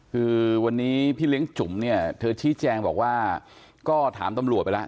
คือวันนี้พี่เลี้ยงจุ๋มเนี่ยเธอชี้แจงบอกว่าก็ถามตำรวจไปแล้ว